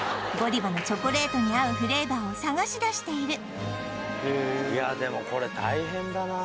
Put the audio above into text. ＧＯＤＩＶＡのチョコレートに合うフレーバーを探し出している